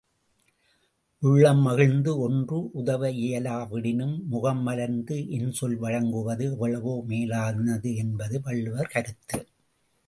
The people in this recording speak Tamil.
உள்ளம் மகிழ்ந்து ஒன்று உதவ இயலாவிடினும், முகம் மலர்ந்து இன்சொல் வழங்குவது எவ்வளவோ மேலானது என்பது வள்ளுவர் கருத்து.